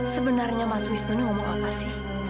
sebenarnya mas wisnu ini ngomong apa sih